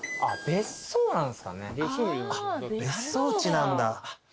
別荘地なんだ。